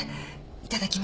いただきます。